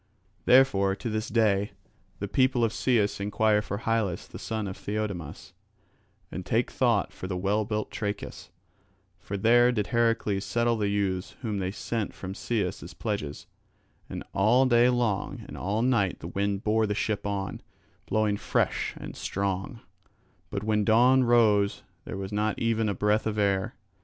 Therefore to this day the people of Cius enquire for Hylas the son of Theiodamas, and take thought for the well built Trachis. For there did Heracles settle the youths whom they sent from Cius as pledges. And all day long and all night the wind bore the ship on, blowing fresh and strong; but when dawn rose there was not even a breath of air.